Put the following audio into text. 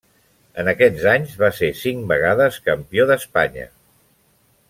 En aquests anys va ser cinc vegades campió d'Espanya.